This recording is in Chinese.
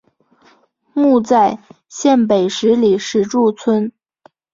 墓在县北十里石柱村。